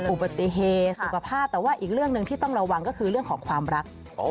อุบัติเหตุสุขภาพแต่ว่าอีกเรื่องหนึ่งที่ต้องระวังก็คือเรื่องของความรัก